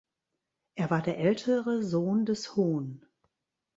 Er war der ältere Sohn des Hon.